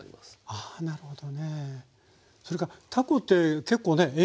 あなるほど。